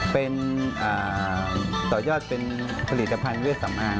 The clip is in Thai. เป็นต่อยอดเป็นผลิตภัณฑ์เลือดสำอาง